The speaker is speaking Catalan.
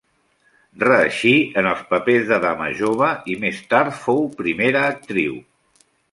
Reeixí en els papers de dama jove i, més tard, fou primera actriu.